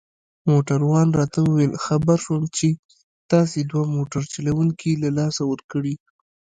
موټروان راته وویل: خبر شوم چي تاسي دوه موټر چلوونکي له لاسه ورکړي.